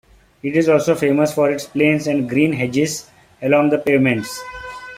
It is also famous for its planes and green hedges along the pavements.